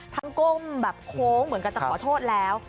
ก้มแบบโค้งเหมือนกันจะขอโทษแล้ว